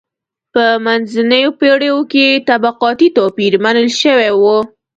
په منځنیو پېړیو کې طبقاتي توپیر منل شوی و.